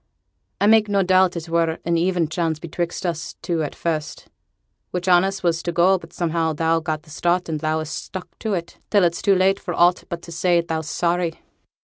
'I make no doubt it were an even chance betwixt us two at first, which on us was to go; but somehow thou got the start and thou'st stuck to it till it's too late for aught but to say thou's sorry.'